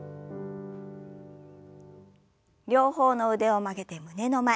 両方の腕を曲げて胸の前。